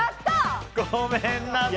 ごめんなさい！